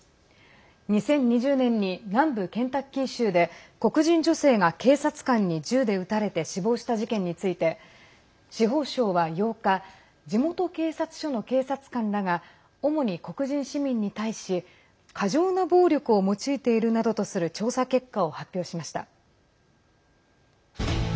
２０２０年に南部ケンタッキー州で黒人女性が警察官に銃で撃たれて死亡した事件について司法省は８日地元警察署の警察官らが主に黒人市民に対し過剰な暴力を用いているなどとする調査結果を発表しました。